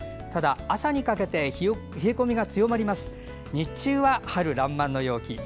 朝にかけて冷え込みが強まりますが日中は春らんまんの陽気です。